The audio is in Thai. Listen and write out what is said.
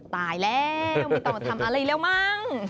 ตายแล้วไม่ต้องมาทำอะไรแล้วมั้ง